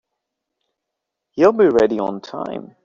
He'll be ready on time.